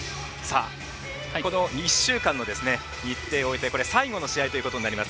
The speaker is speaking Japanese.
この１週間の日程を終えて最後の試合ということになります。